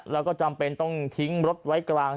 แล้วก็จำเป็นต้องทิ้งรถไว้กลาง